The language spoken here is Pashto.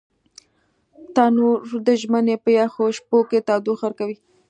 تنور د ژمي په یخو شپو کې تودوخه ورکوي